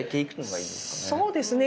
そうですね。